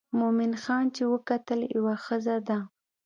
مومن خان چې وکتل یوه ښځه ده.